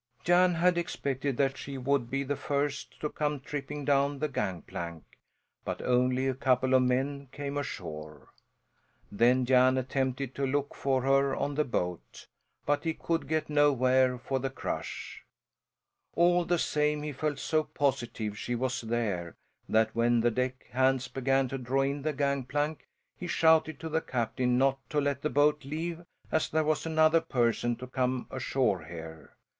Jan had expected that she would be the first to come tripping down the gangplank; but only a couple of men came ashore. Then Jan attempted to look for her on the boat; but he could get nowhere for the crush. All the same he felt so positive she was there that when the deck hands began to draw in the gangplank he shouted to the captain not to let the boat leave as there was another person to come ashore here.